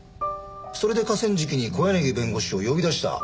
それで河川敷に小柳弁護士を呼び出した。